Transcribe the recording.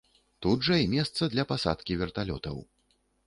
Тут жа і месца для пасадкі верталётаў.